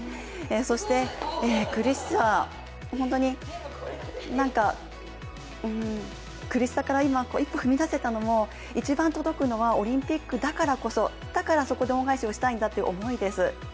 そして、苦しさから今、一歩踏み出せたのも一番届くのはオリンピックだからこそ、だからそこで恩返しをしたいんだという思いです。